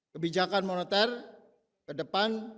kebijakan moneter ke depan tetap baik